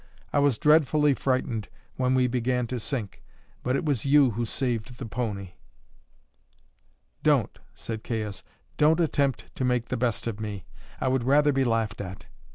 I was dreadfully frightened when we began to sink, but it was you who saved the pony." "Don't," said Caius "don't attempt to make the best of me. I would rather be laughed at."